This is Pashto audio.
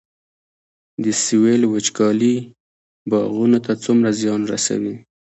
د سویل وچکالي باغونو ته څومره زیان رسوي؟